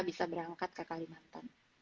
bisa berangkat ke kalimantan